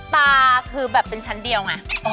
ตาคือแบบเป็นชั้นเดียวไง